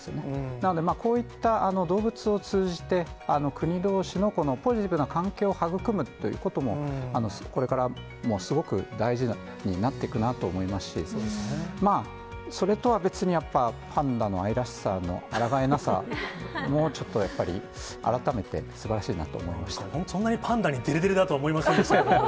なので、こういった動物を通じて、国どうしのポジティブな環境を育むということも、これからもすごく大事になっていくなと思いますし、それとは別にやっぱり、パンダの愛らしさのあらがえなさも、ちょっとやっぱり改めてすばそんなにパンダにでれでれだとは思いませんでしたけども。